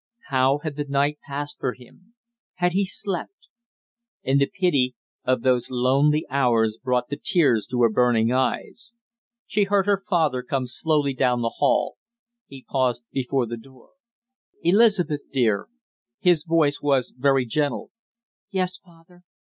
How had the night passed for him had he slept? And the pity of those lonely hours brought the tears to her burning eyes. She heard her father come slowly down the hall; he paused before her door. "Elizabeth dear!" his voice was very gentle. "Yes, father?"